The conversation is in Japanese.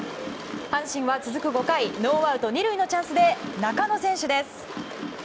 阪神は続く５回ノーアウト２塁のチャンスで中野選手です。